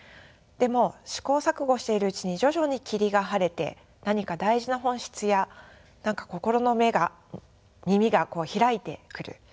でも試行錯誤しているうちに徐々に霧が晴れて何か大事な本質や何か心の目が耳がこう開いてくる。